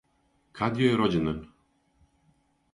Кад јој је рођендан?